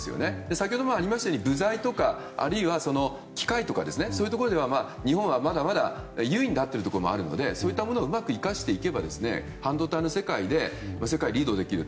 先ほどもありましたように部材とかあるいは機械とかというところでは日本はまだまだ優位に立っているところもあるのでそういったものをうまく生かしていけば半導体の世界で世界をリードできる。